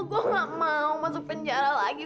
gue gak mau masuk penjara lagi